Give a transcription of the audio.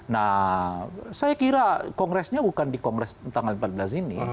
nah saya kira kongresnya bukan di kongres tanggal empat belas ini